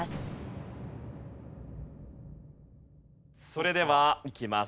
それではいきます。